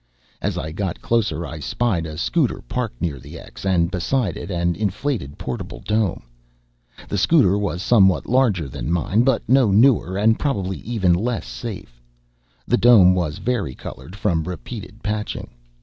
As I got closer, I spied a scooter parked near the X, and beside it an inflated portable dome. The scooter was somewhat larger than mine, but no newer and probably even less safe. The dome was varicolored, from repeated patching.